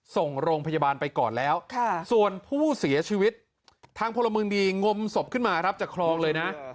ส่งโรงพยาบาลไปก่อนแล้วส่วนผู้เสียชีวิตทางพลเมืองดีงมศพขึ้นมารับจากคลองเลยนะ